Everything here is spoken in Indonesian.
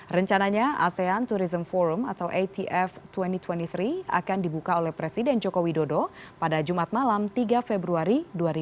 rencananya asean tourism forum atau atf dua ribu dua puluh tiga akan dibuka oleh presiden joko widodo pada jumat malam tiga februari dua ribu dua puluh